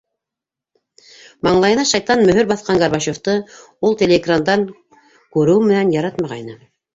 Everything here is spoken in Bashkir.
Маңлайына шайтан мөһөр баҫҡан Горбачевты ул телеэкрандан һүреү менән яратмағайны.